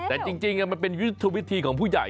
แต่จริงมันเป็นยุทธวิธีของผู้ใหญ่